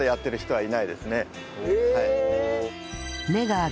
はい。